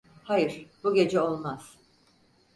Hayır, bu gece olmaz.